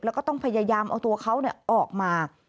แล้วก็ต้องพยายามเอาตัวเขาออกมา